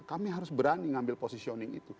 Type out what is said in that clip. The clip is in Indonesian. kami harus berani mengambil posisioning itu